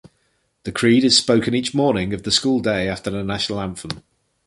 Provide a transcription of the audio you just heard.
The creed is spoken each morning of the school day after the national anthem.